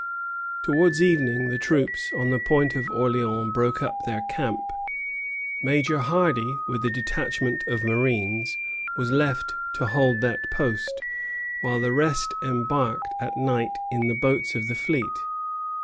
Towards evening the troops on the Point of Orleans broke up their camp. Major Hardy, with a detachment of marines, was left to hold that post, while the rest embarked at night in the boats of the fleet.